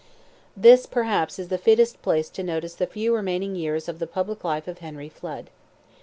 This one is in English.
This, perhaps, is the fittest place to notice the few remaining years of the public life of Henry Flood.